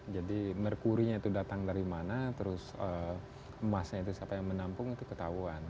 jadi merkurinya itu datang dari mana terus emasnya itu siapa yang menampung itu ketahuan